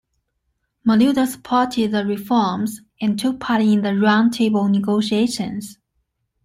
Maleuda supported the reforms and took part in the round table negotiations.